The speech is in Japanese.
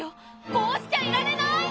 こうしちゃいられない！